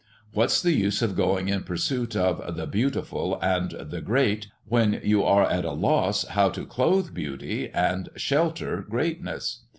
What's the use of going in pursuit of 'the Beautiful' and 'the Great,' when you are at a loss how to clothe Beauty and shelter Greatness.